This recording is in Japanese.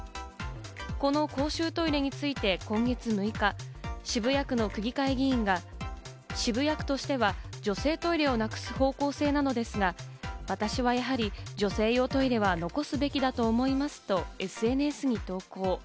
この公衆トイレについて今月６日、渋谷区の区議会議員が、渋谷区としては女性トイレをなくす方向性なのですが、私はやはり、女性用トイレは残すべきだと思いますとＳＮＳに投稿。